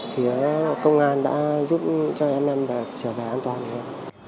thì công an đã giúp cho em em trở về an toàn hơn